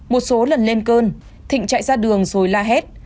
một số lần lên cơn thịnh chạy ra đường rồi la hét